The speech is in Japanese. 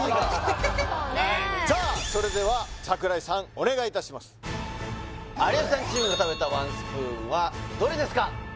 さあそれでは櫻井さんお願いいたします有吉さんチームが食べたワンスプーンはどれですか？